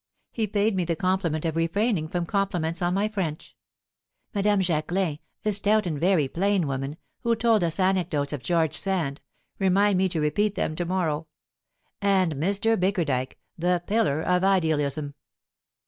He paid me the compliment of refraining from compliments on my French. Madame Jacquelin, a stout and very plain woman, who told us anecdotes of George Sand; remind me to repeat them to morrow. And Mr. Bickerdike, the pillar of idealism."